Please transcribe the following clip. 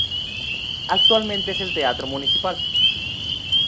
Actualmente es el teatro Municipal.